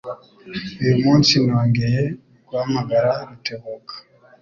Uyu munsi nongeye guhamagara Rutebuka.